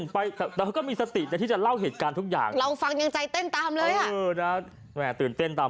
ปี่เช้นจะลงนะ